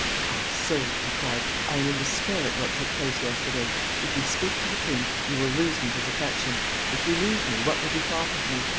"Ah! sir," he cried, "I am in despair at what took place yesterday; if you speak to the king, you will lose me his affection; if you leave me, what will be thought of me?